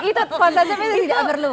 itu possessive itu tidak perlu